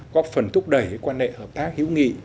góp phần thúc đẩy quan hệ hợp tác hữu nghị